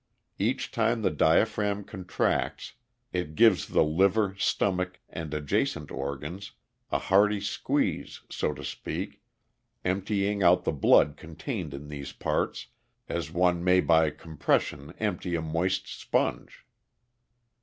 Each time the diaphragm contracts, it gives the liver, stomach, and adjacent organs a hearty squeeze, so to speak, emptying out the blood contained in these parts as one may by compression empty a moist sponge.